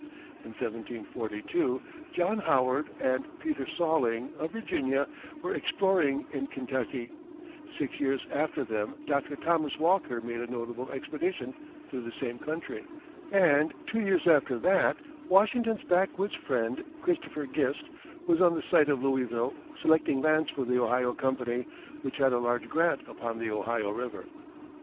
In 1742 John Howard and Peter Salling, of Virginia, were exploring in Kentucky; six years after them Dr. Thomas Walker made a notable expedition through the same country; and two years after that Washington's backwoods friend, Christopher Gist, was on the site of Louisville selecting lands for the Ohio Company, which had a large grant upon the Ohio River.